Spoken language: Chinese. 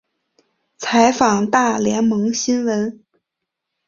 采访大联盟新闻。